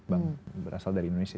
bank berasal dari indonesia